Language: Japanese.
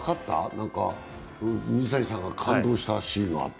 なんか水谷さんが感動したシーンがあった。